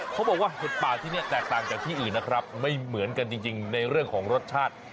เขาบอกว่าเห็ดป่าที่นี่แตกต่างจากที่อื่นนะครับไม่เหมือนกันจริงในเรื่องของรสชาติ